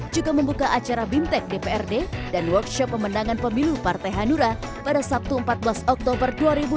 juga membuka acara bimtek dprd dan workshop pemenangan pemilu partai hanura pada sabtu empat belas oktober dua ribu dua puluh